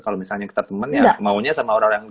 kalo misalnya kita temen yang maunya sama orang orang yang